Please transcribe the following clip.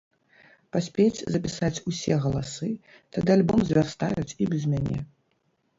Паспець запісаць усе галасы, тады альбом звярстаюць і без мяне.